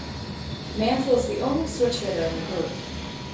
Mantle is the only switch-hitter in the group.